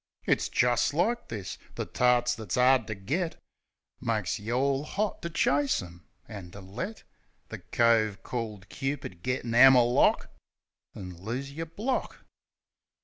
It's jest like this. The tarts that's 'ard ter get Makes you all 'ot to chase 'em, an' to let The cove called Cupid get an 'ammer lock; An' lose yer block.